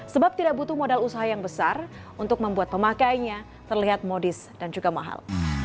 sebab tidak butuh modal usaha yang besar untuk membuat pemakainya terlihat modis dan juga mahal